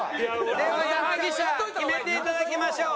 では矢作舎決めていただきましょう。